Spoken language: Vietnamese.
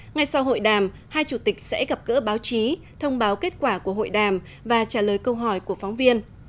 ngay sau hội đàm hai chủ tịch sẽ gặp gỡ báo chí thông báo kết quả của hội đàm và trả lời câu hỏi của phóng viên